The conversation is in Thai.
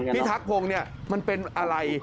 พี่ทักพงศ์มันเป็นอะไร